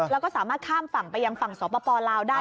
แล้วก็สามารถข้ามฝั่งไปยังฝั่งสปลาวได้